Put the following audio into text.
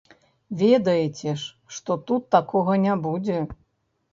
Ведаеце ж, што тут такога не будзе.